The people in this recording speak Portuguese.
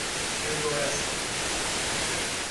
Rio do Oeste